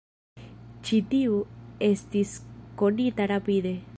Ĉi tiu estis konita rapide.